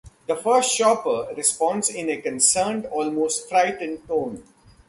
The first shopper responds in a concerned, almost frightened tone.